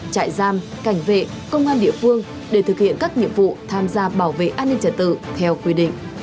trại giam cảnh vệ công an địa phương để thực hiện các nhiệm vụ tham gia bảo vệ an ninh trật tự theo quy định